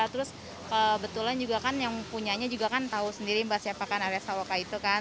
terus kebetulan juga kan yang punyanya juga kan tahu sendiri mbak siapa kan ada sawaka itu kan